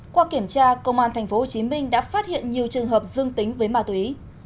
qua kiểm tra công an tp hcm đã phát hiện nhiều trường hợp dương tính với ma túy